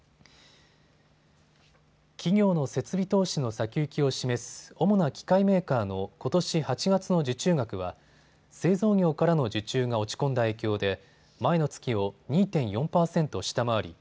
企業の設備投資の先行きを示す主な機械メーカーのことし８月の受注額は製造業からの受注が落ち込んだ影響で前の月を２．４％下回り